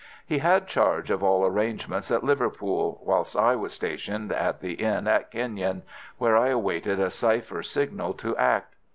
He had charge of all arrangements at Liverpool, whilst I was stationed at the inn at Kenyon, where I awaited a cipher signal to act.